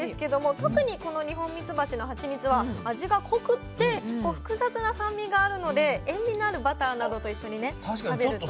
特にこのニホンミツバチのハチミツは味が濃くって複雑な酸味があるので塩みのあるバターなどと一緒にね食べると。